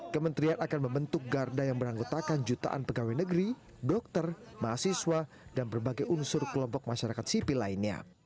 kementerian akan membentuk garda yang beranggotakan jutaan pegawai negeri dokter mahasiswa dan berbagai unsur kelompok masyarakat sipil lainnya